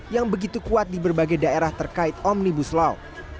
yang begitu kuat di berbagai daerah terkait omnibus law